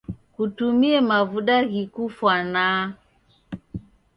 Kutumie mavuda ghikufwanaa.